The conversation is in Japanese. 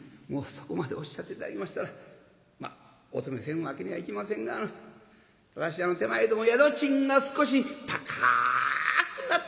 そこまでおっしゃって頂きましたらまあお泊めせんわけにはいきませんがわしらの手前ども宿賃が少し高くなってございますが」。